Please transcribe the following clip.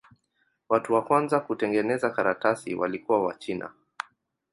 Watu wa kwanza kutengeneza karatasi walikuwa Wachina.